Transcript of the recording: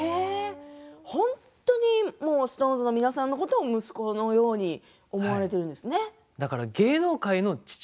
本当にＳｉｘＴＯＮＥＳの皆さんのことを息子のように思われているんですね。